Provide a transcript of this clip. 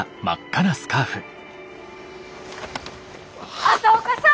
朝岡さん！